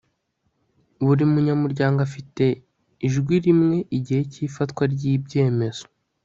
buri munyamuryango afite ijwi rimwe igihe cy'ifatwa ry'ibyemezo